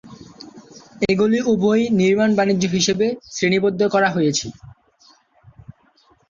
এগুলি উভয়ই নির্মাণ বাণিজ্য হিসাবে শ্রেণিবদ্ধ করা হয়েছে।